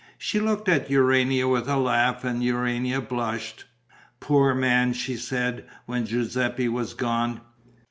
She looked at Urania with a laugh and Urania blushed: "Poor man!" she said, when Giuseppe was gone.